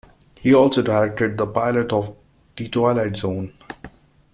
He also directed the pilot of "The Twilight Zone".